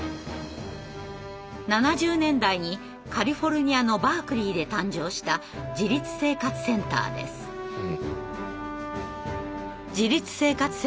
７０年代にカリフォルニアのバークリーで誕生した「自立生活センター」は障害者自身が運営する組織です。